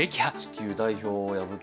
地球代表を破って。